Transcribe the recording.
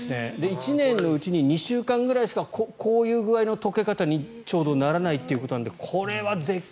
１年のうちに２週間くらいしかこういう具合の解け方にちょうどならないということなので。